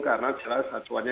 karena jelas acuannya